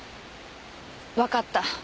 わかった。